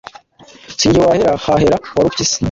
Si ge wahera, hahera Warupyisi.